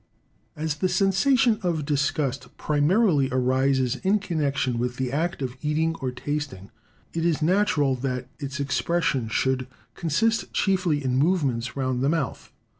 As the sensation of disgust primarily arises in connection with the act of eating or tasting, it is natural that its expression should consist chiefly in movements round the mouth.